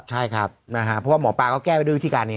ใช่ครับนะฮะเพราะว่าหมอปลาก็แก้ไปด้วยวิธีการนี้